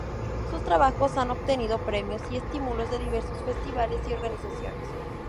Sus trabajos han obtenido premios y estímulos de diversos festivales y organizaciones.